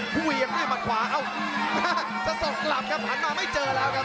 นี่มันขวาเอ้าจะส่งกลับครับหันมาไม่เจอแล้วครับ